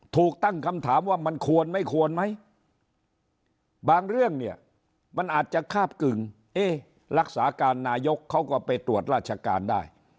ถูกตั้งคำถามว่ามันควรไม่ควรไหมบางเรื่องเนี่ยมันอาจจะคาบกึ่งเอ๊ะรักษาการนายกเขาก็ไปตรวจราชการได้